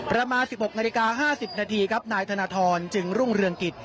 ประมาณ๑๖นาฬิกา๕๐นาทีครับนายธนทรจึงรุ่งเรืองกิจ